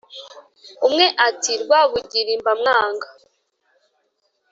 umwe, ati: rwabugiri mba mwanga!